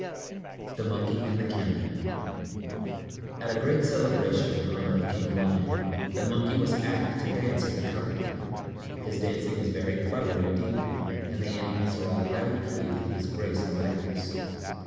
_ THE MONKEY AND THE CAMEL At a great celebration in honor of King Lion, the Monkey was asked to dance for the company. His dancing was very clever indeed, and the animals were all highly pleased with his grace and lightness.